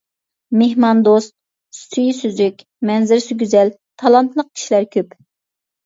مېھماندوست، سۈيى سۈزۈك، مەنزىرىسى گۈزەل، تالانتلىق كىشىلەر كۆپ.